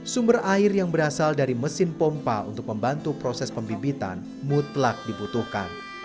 sumber air yang berasal dari mesin pompa untuk membantu proses pembibitan mutlak dibutuhkan